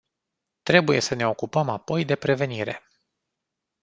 Trebuie să ne ocupăm apoi de prevenire.